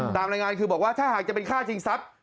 ตามรายงานคือบอกว่าถ้าหากจะเป็นฆ่าชิงทรัพย์